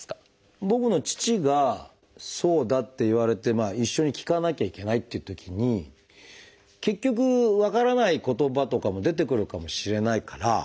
僕の父がそうだって言われて一緒に聞かなきゃいけないというときに結局分からない言葉とかも出てくるかもしれないから